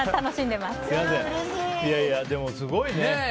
でもすごいね。